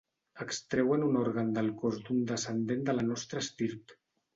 Extreuen un òrgan del cos d'un descendent de la nostra estirp.